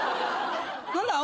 何だ？